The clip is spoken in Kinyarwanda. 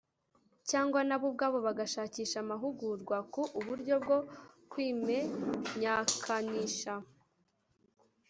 cyangwa nabo ubwabo bagashakisha amahugurwa ku uburyo bwo kwimenyakanisha